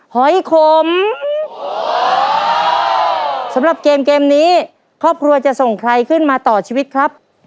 หอยขมสำหรับเกมเกมนี้ครอบครัวจะส่งใครขึ้นมาต่อชีวิตครับ